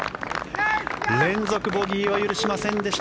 連続ボギーは許しませんでした